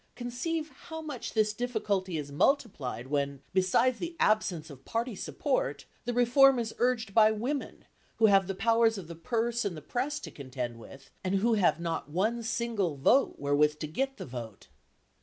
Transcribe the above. Conceive how much this difficulty is multiplied when, besides the absence of party support, the reform is urged by women who have the powers of the purse and the press to contend with, and who have not one single vote wherewith to get the vote!